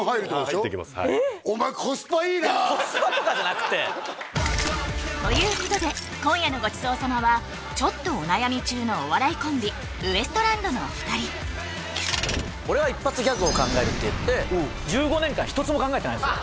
はい入ってきますお前ということで今夜のごちそう様はちょっとお悩み中のお笑いコンビウエストランドのお二人俺は一発ギャグを考えるって言って１５年間一つも考えてないんです